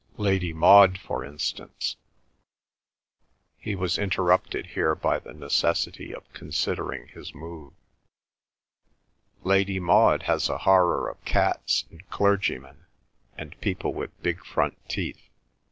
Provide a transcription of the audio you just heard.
Lady Maud, for instance—" he was interrupted here by the necessity of considering his move,—"Lady Maud has a horror of cats and clergymen, and people with big front teeth.